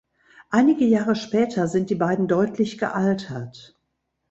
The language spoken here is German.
Einige Jahre später sind die beiden deutlich gealtert.